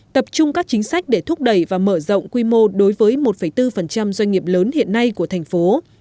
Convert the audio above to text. tập trung các chính sách để thúc đẩy và mở rộng quy mô đối với một bốn doanh nghiệp lớn hiện nay của thành phố